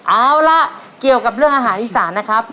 เอาล่ะเกี่ยวกับเรื่องอาหารอีสานนะครับ